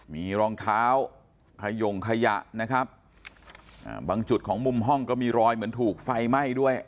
มีรองเท้าขยงขยะนะครับอ่าบางจุดของมุมห้องก็มีรอยเหมือนถูกไฟไหม้ด้วย